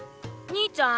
兄ちゃん？